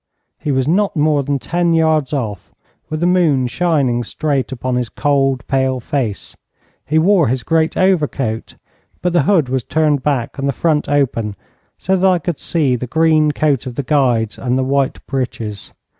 He was not more than ten yards off, with the moon shining straight upon his cold, pale face. He wore his grey overcoat, but the hood was turned back, and the front open, so that I could see the green coat of the Guides, and the white breeches.